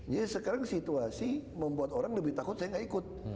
jadi sekarang situasi membuat orang lebih takut saya gak ikut